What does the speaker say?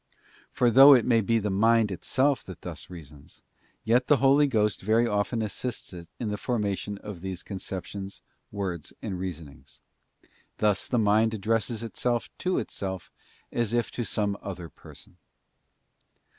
For though it be the mind itself that thus reasons, yet the Holy Ghost very often assists it in the formation of these con ceptions, words, and reasonings. Thus the mind addresses itself to itself as if to some other person.